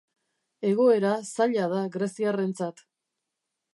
Egoera zaila da greziarrentzat.